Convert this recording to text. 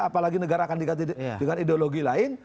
apalagi negara akan diganti dengan ideologi lain